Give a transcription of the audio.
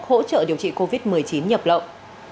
hỗ trợ điều trị covid một mươi chín nhập lậu